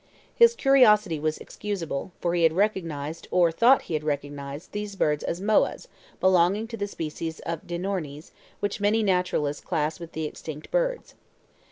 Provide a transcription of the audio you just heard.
His curiosity was excusable, for he had recognized, or thought he had recognized, these birds as "moas" belonging to the species of "dinornis," which many naturalists class with the extinct birds.